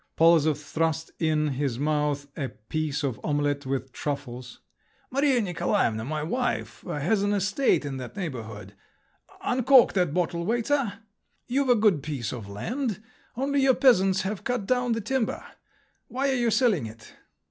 Polozov thrust in his mouth a piece of omelette with truffles. "Maria Nikolaevna, my wife, has an estate in that neighbourhood…. Uncork that bottle, waiter! You've a good piece of land, only your peasants have cut down the timber. Why are you selling it?"